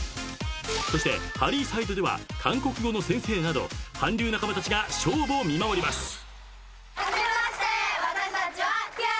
そしてハリーサイドでは韓国語の先生など韓流仲間たちが勝負を見守ります。